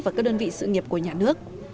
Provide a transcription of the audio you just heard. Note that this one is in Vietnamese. và các đơn vị sự nghiệp của nhà nước